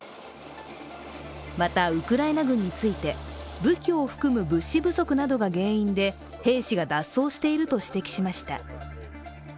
また、ウクライナ軍について、武器を含む物資不足などが原因で兵士が脱走していると指摘しました。